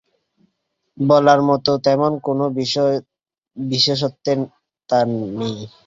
বলার মতো তেমন কোনো বিশেষত্ব তার নেই।